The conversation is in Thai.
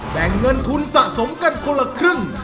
แบ่งเงินทุนสะสมกันคนละครึ่ง